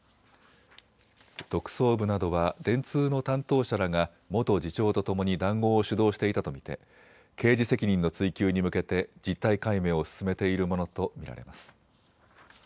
特捜部などは電通の担当者らが元次長とともに談合を主導していたと見て刑事責任の追及に向けて実態解明を進めているものと見られます。